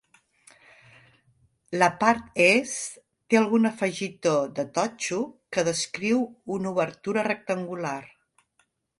La part Est té algun afegitó de totxo que descriu una obertura rectangular.